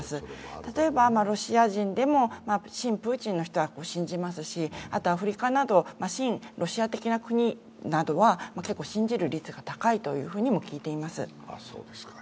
例えば、ロシア人でも親プーチンの人は信じますし、アフリカなど親ロシア的な国などは結構信じる率が高いとも聞いています。